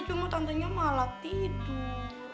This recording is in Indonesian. cuma tantenya malah tidur